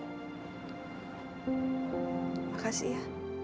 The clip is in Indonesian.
terima kasih ya